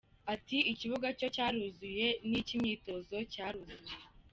Ati “ikibuga cyo cyaruzuye, n’icy’imyitozo cyaruzuye.